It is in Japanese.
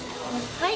はい。